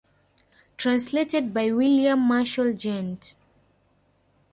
Translated by William Marshal, Gent.